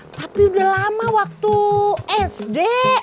tapi udah lama waktu sd